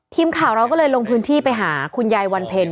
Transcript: ทีมข่าวเราก็เลยลงพื้นที่ไปหาคุณยายวันเพ็ญ